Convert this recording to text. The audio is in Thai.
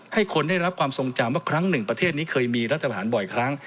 ให้คนได้รับความทรงจำว่าครั้งหนึ่งประเทศนี้เคยมีรัฐประหารบ่อยครั้ง